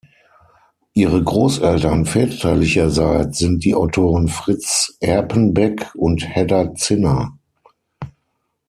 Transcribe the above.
Ihre Großeltern väterlicherseits sind die Autoren Fritz Erpenbeck und Hedda Zinner.